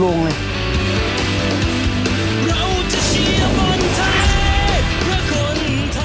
ต้องช่วยลงเลย